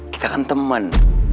kita kan temen